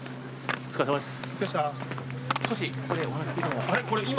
お疲れさまです。